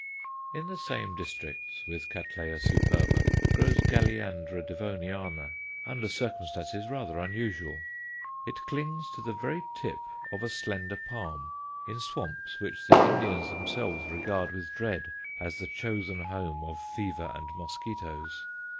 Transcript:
In the same districts with Cattleya superba grows Galleandra Devoniana under circumstances rather unusual. It clings to the very tip of a slender palm, in swamps which the Indians themselves regard with dread as the chosen home of fever and mosquitoes.